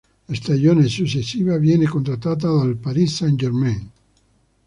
La stagione successiva viene contattata dal Paris Saint-Germain.